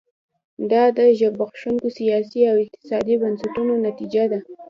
دا د زبېښونکو سیاسي او اقتصادي بنسټونو نتیجه ده.